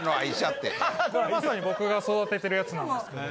これまさに僕が育ててるやつなんですけど。